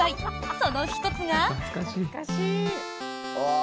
その１つが。